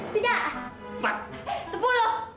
tiga empat sepuluh